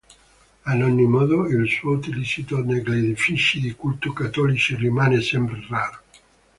Ad ogni modo, il suo utilizzo negli edifici di culto cattolici rimane sempre raro.